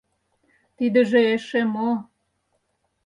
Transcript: Тидыже эше мо!